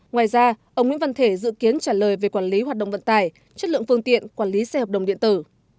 ngoài ra ông nguyễn văn thể dự kiến trả lời về quản lý hoạt động vận tải chất lượng phương tiện quản lý xe hợp đồng điện tử